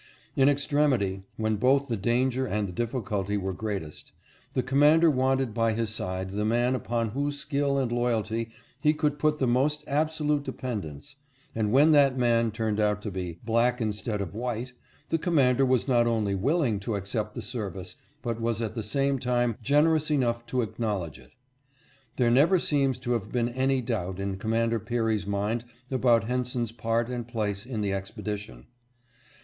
In extremity, when both the danger and the difficulty were greatest, the Commander wanted by his side the man upon whose skill and loyalty he could put the most absolute dependence and when that man turned out to be black instead of white, the Commander was not only willing to accept the service but was at the same time generous enough to acknowledge it. There never seems to have been any doubt in Commander Peary's mind about Henson's part and place in the expedition.